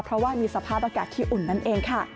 เพราะว่ามีสภาพอากาศที่อุ่นนั่นเองค่ะ